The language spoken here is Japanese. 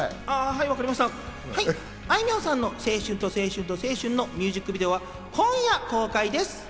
あいみょんさんの『青春と青春と青春』のミュージックビデオは、今夜公開です。